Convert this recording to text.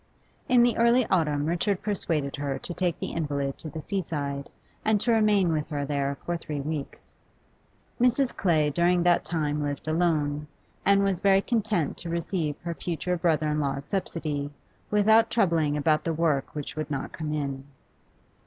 In the early autumn Richard persuaded her to take the invalid to the sea side, and to remain with her there for three weeks. Mrs. Clay during that time lived alone, and was very content to receive her future brother in law's subsidy, without troubling about the work which would not come in.